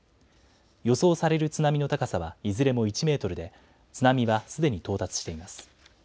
予想される津波の高さはいずれも１メートルで津波はすでに到達しています。